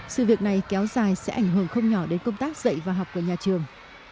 sự việc này kéo dài sẽ ảnh hưởng không nhỏ đến công tác dạy và học của nhà trường